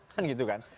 kan gitu kan